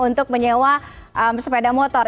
untuk menyewa sepeda motor